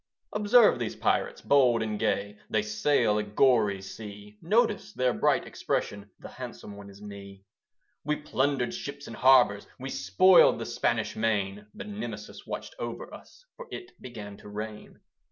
Observe these Pirates bold and gay, That sail a gory sea: Notice their bright expression: The handsome one is me. We plundered ships and harbours, We spoiled the Spanish main; But Nemesis watched over us, For it began to rain.